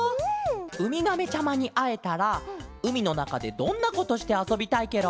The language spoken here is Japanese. ウミガメちゃまにあえたらうみのなかでどんなことしてあそびたいケロ？